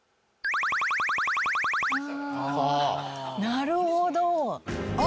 なるほど！